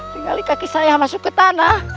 tinggali kaki saya masuk ke tanah